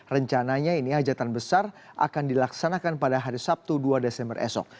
rencananya ini hajatan besar akan dilaksanakan pada hari sabtu dua desember esok